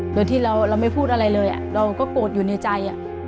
โดยที่เราไม่พูดอะไรเลยเราก็โกรธอยู่ในใจ